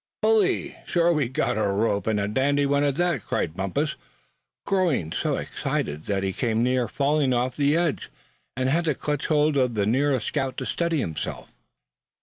"Bully! Sure we've got a rope, and a dandy one at that!" cried Bumpus, growing so excited that he came near falling over the edge, and had to clutch hold of the nearest scout to steady himself.